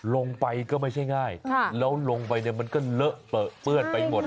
ลงไปก็ไม่ใช่ง่ายแล้วลงไปมันก็เลอะเปิ้ลไปหมด